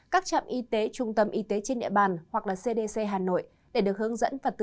các trạm y tế trung tâm y tế trên địa bàn hoặc cdc hà nội để được hướng dẫn và tư vấn cụ thể